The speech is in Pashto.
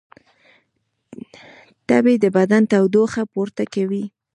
تبې د بدن تودوخه پورته کوي